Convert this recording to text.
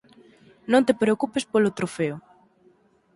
Non te preocupes polo trofeo.